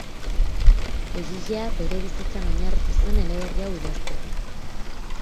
Egilea bere bizitzan oinarritu zen eleberri hau idazteko.